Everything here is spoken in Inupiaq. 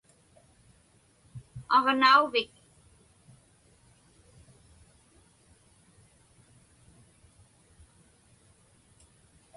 Aġnauvik?